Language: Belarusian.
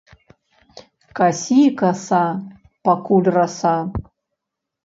Касі, каса, пакуль раса!